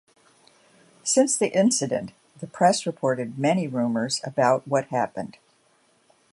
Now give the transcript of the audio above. Since the incident, the press reported many rumors about what happened.